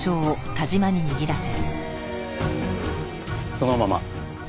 そのまま。